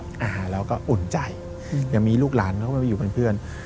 อ่าเราก็อุ่นใจยังมีลูกหลานเขาก็มาอยู่เป็นเพื่อน